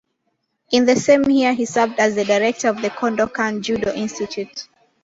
In the same year he served as the director of the Kodokan Judo Institute.